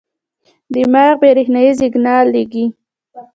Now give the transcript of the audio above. دماغ برېښنايي سیګنال لېږي.